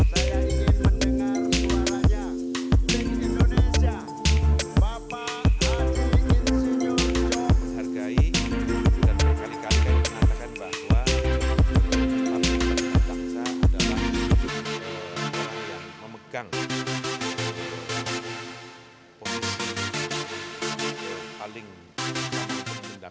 orang yang memegang posisi paling utama